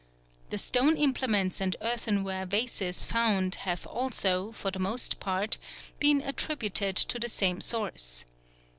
The stone implements and earthenware vases found have also, for the most part, been attributed to the same source.